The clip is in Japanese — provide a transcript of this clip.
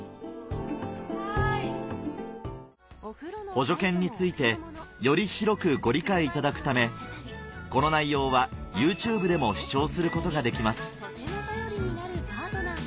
補助犬についてより広くご理解いただくためこの内容はＹｏｕＴｕｂｅでも視聴することができます